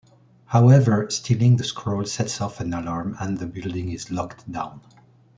However, stealing the scroll sets off an alarm and the building is locked down.